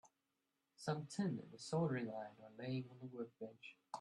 Some tin and a soldering iron are laying on the workbench.